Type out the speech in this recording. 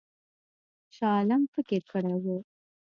شاه عالم فکر کړی وو.